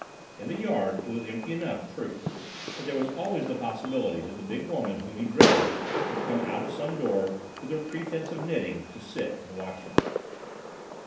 In the yard it was empty enough, true, but there was always the possibility that the big woman whom he dreaded would come out of some door, with her pretence of knitting, to sit and watch him.